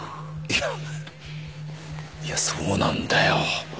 いやいやそうなんだよ